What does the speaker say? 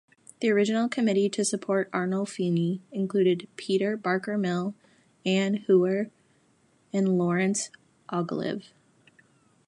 The original committee to support Arnolfini included Peter Barker-Mill, Ann Hewer, and Lawrence Ogilvie.